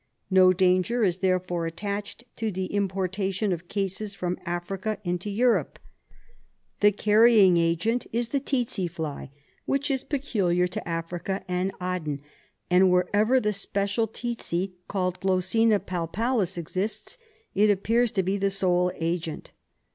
No danger is therefore attached to the importa tion of cases from Africa into Europe. The carrying agent is the tsetse fly, which is peculiar to Africa and Aden, and wherever the special tsetse called Glossina palpalis exists, it appears to be the sole agent.